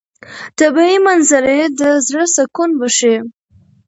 طبیعي منظرې د زړه سکون بښي.